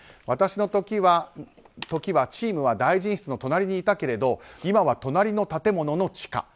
私の時はチームは大臣室の隣にいたけれども今は隣の建物の地下。